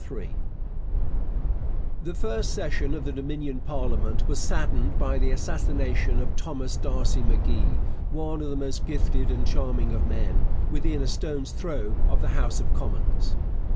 The first session of the Dominion parliament was saddened by the assassination of Thomas D'Arcy M'Gee, one of the most gifted and charming of men, within a stone's throw of the House of Commons.